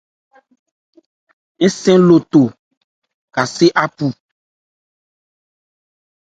An man nɛ́n n cu má a.